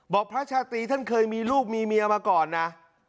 พระชาตรีท่านเคยมีลูกมีเมียมาก่อนนะ